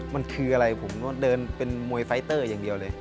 มันคืออะไรผมเดินเป็นมวยไฟเตอร์อย่างเดียวเลย